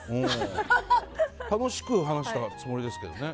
楽しく話したつもりですけどね。